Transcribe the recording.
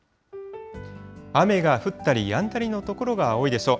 雨が降ったりやんだりの所が多いでしょう。